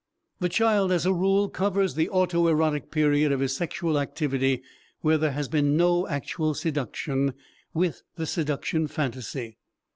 The child as a rule covers the autoerotic period of his sexual activity, where there has been no actual seduction, with the seduction phantasy.